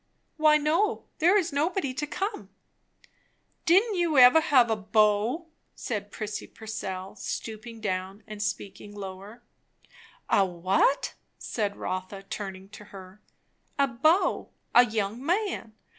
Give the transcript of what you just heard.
"Why no! There is nobody to come." "Didn't you never have a beau?" said Prissy Purcell, stooping down and speaking lower. "A what?" said Rotha turning to her. "A beau. A young man.